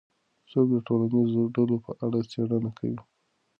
څوک د ټولنیزو ډلو په اړه څېړنه کوي؟